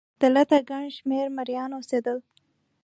دلته ګڼ شمېر مریان اوسېدل